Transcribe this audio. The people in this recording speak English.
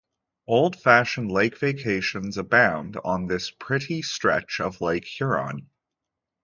Old-fashioned lake vacations abound on this pretty stretch of Lake Huron.